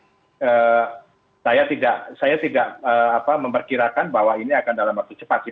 saya tidak saya tidak apa memperkirakan bahwa ini akan dalam waktu cepat sih